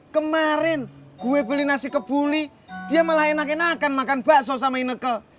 kemarin gue beli nasi kebuli dia malah enak enakan makan bakso sama inkel